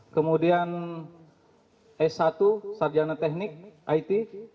kemudian s satu sarjana teknik it